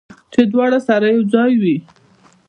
چې دواړه سره یو ځای وي